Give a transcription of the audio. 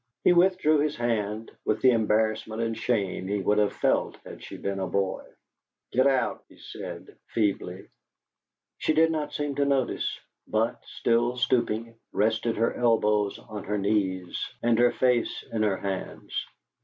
He withdrew his hand, with the embarrassment and shame he would have felt had she been a boy. "Get out!" he said, feebly. She did not seem to notice, but, still stooping, rested her elbows on her knees and her face in her hands.